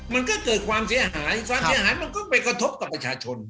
มันก็เกิดความเสียหายความเสียหายมันก็ไปกระทบกับประชาชน